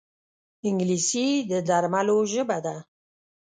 انګلیسي د درملو ژبه ده